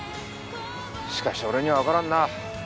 しかし俺にはわからんなあ。